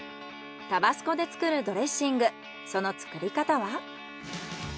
タバスコで作るドレッシングその作り方は？